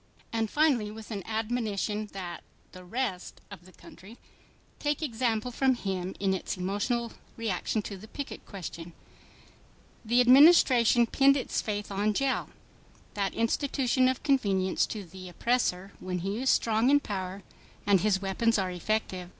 And finally with an admonition that "the rest' of the country … take example from him in its emotional reaction to the picket question." From the Woman Citizen. The Administration pinned its faith on jail—that institution of convenience to the oppressor when he is strong in power and his weapons are effective.